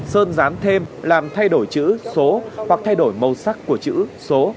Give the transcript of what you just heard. sơn dán thêm làm thay đổi chữ số hoặc thay đổi màu sắc của chữ số